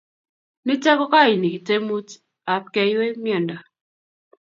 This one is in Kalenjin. nitok ko kaini temut ab keywei miondo